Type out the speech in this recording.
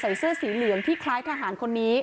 เสื้อสีเหลืองที่คล้ายทหารคนนี้